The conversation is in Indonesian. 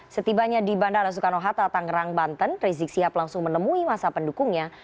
setibanya di bandara soekarno hatta tangerang banten rizik sihab langsung menemui masa pendukungnya